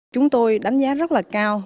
chúng tôi đánh giá rất là cao